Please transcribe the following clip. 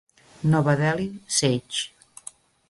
Nova Delhi: Sage.